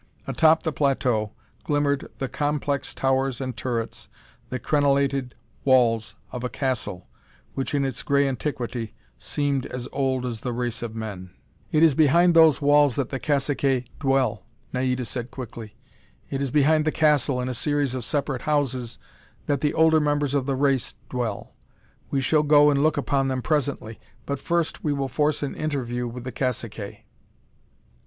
Atop of the plateau, glimmered the complex towers and turrets, the crenellated walls of a castle which, in its grey antiquity, seemed as old as the race of men. "It is behind those walls that the caciques dwell," Naida said quickly. "It is behind the castle, in a series of separate houses, that the older members of the race dwell. We shall go and look upon them presently. But first we will force an interview with the caciques."